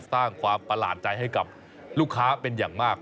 สร้างความประหลาดใจให้กับลูกค้าเป็นอย่างมาก